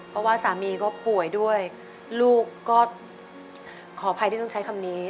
เพราะว่าสามีก็ป่วยด้วยลูกก็ขออภัยที่ต้องใช้คำนี้